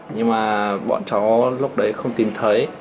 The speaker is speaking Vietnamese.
nhưng mà bọn chó lúc đấy không tìm thấy